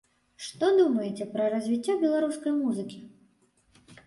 Што думаеце пра развіццё беларускай музыкі?